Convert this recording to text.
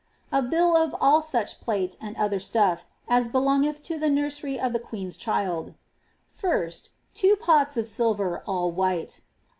* A bill of all such plate and other stuff as belongeth U> the nursery of the queen i child: <* First, 2 pots of silver, all white.